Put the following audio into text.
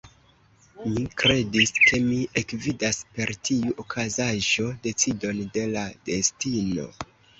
Mi kredis, ke mi ekvidas, per tiu okazaĵo, decidon de la destino.